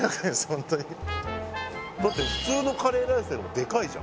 ホントにだって普通のカレーライスよりもデカいじゃん